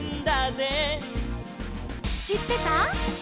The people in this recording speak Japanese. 「しってた？」